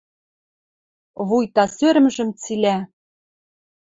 Вуйта сӧрӹмжӹм цилӓ